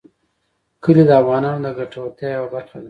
کلي د افغانانو د ګټورتیا یوه برخه ده.